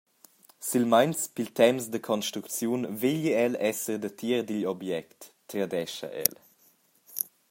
Silmeins pil temps da construcziun vegli el esser datier digl object, tradescha el.